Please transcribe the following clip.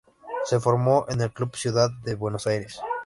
Se formó en el Club Ciudad de Buenos Aires.